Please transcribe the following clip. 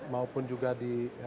maupun juga di